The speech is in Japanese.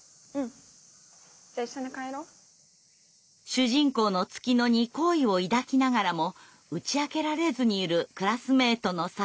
主人公の月乃に好意を抱きながらも打ち明けられずにいるクラスメートの桜。